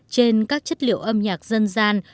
trên các chất liệu âm nhạc dân gian